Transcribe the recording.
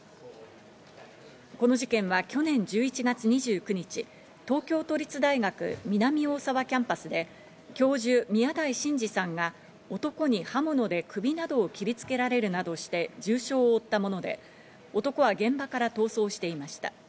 この事件は、去年１１月２９日、東京都立大学南大沢キャンパスで教授・宮台真司さんが男に刃物で首などを切りつけられるなどして、重傷を負ったもので、男は現場から逃走していました。